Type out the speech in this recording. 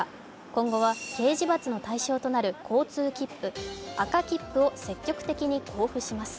今後は刑事罰の対象となる交通切符、赤切符を積極的に交付します。